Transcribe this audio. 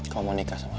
kau mau nikah sama aku